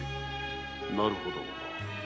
なるほど。